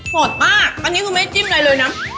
สดมากอันนี้คือไม่จิ้มอะไรเลยนะ